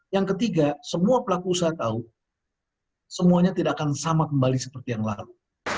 yang ketiga semua pelaku usaha tahu semuanya tidak akan sama kembali seperti yang lalu